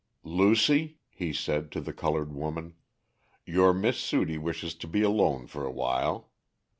"Lucy," he said, to the colored woman, "your Miss Sudie wishes to be alone for awhile.